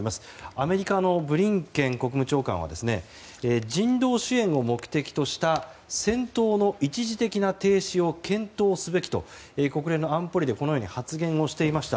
アメリカのブリンケン国務長官は人道支援を目的とした戦闘の一時的な停止を検討すべきと国連の安保理でこのように発言していました。